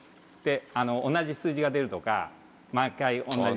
同じ数字が出るとか毎回同じ。